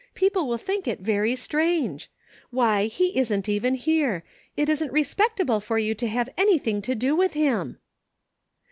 People will think it very strange. Why, he isn't even here. It isn't respectable for you to have anything to do with him."